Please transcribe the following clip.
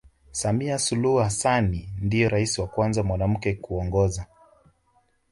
Samia Suluhu Hassanni Ndio rais wa Kwanza mwanamke kuongoza